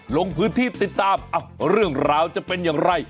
ลงพื้นที่ติดตามเรื่องราวจะเป็นอย่างไร